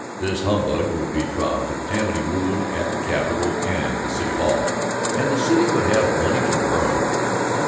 This humbug would be dropped if Tammany ruled at the Capitol and the City Hall, and the city would have money to burn.